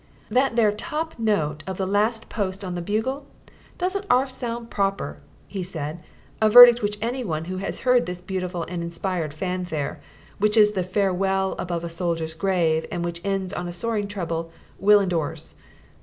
"That there top note of the Last Post on the bugle doesn't 'arf sound proper," he said a verdict which anyone who has heard this beautiful and inspired fanfare, which is the farewell above a soldier's grave, and which ends on a soaring treble, will endorse.